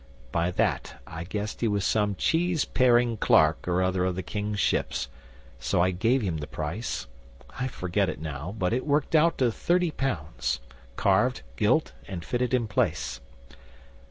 'By that I guessed he was some cheese paring clerk or other of the King's Ships, so I gave him the price. I forget it now, but it worked out to thirty pounds carved, gilt, and fitted in place.